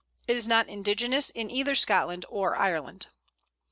It is not indigenous in either Scotland or Ireland.